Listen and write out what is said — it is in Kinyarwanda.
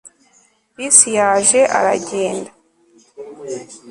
bisi yaje, aragenda